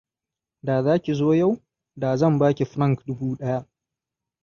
Da za ki zo yau, da zan ba ki franc dubu ɗaya.